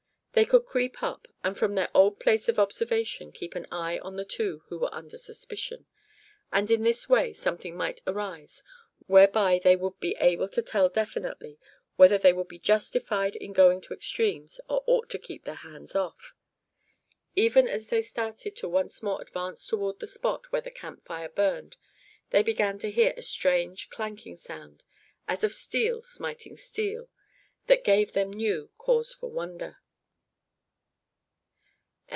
They could creep up, and from their old place of observation keep an eye on the two who were under suspicion; and in this way something might arise whereby they would be able to tell definitely whether they would be justified in going to extremes, or ought to keep their hands off. Even as they started to once more advance toward the spot where the camp fire burned, they began to hear a strange clanking sound, as of steel smiting steel, that gave them new cause for wonder.